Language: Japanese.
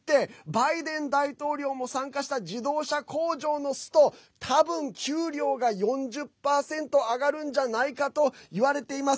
バイデン大統領も参加した自動車工場のスト多分、給料が４０％上がるんじゃないかといわれています。